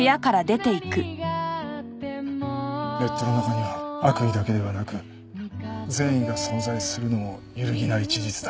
ネットの中には悪意だけではなく善意が存在するのも揺るぎない事実だ。